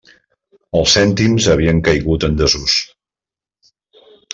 Els cèntims havien caigut en desús.